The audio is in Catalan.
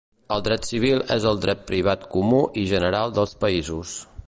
El dret civil és el dret privat comú i general dels països.